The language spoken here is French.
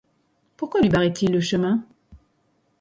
Pourquoi lui barrait-il le chemin?